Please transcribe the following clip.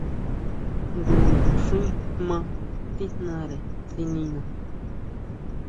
Jngu naxín jmá tíjnare tsinina.